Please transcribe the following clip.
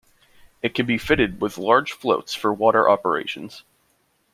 It can be fitted with large floats for water operations.